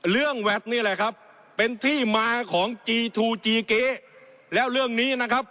แวดนี่แหละครับเป็นที่มาของจีทูจีเก๊แล้วเรื่องนี้นะครับ